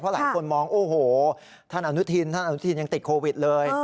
เพราะหลายคนมองโอ้โฮท่านอนุทีนยังติดโควิดเลย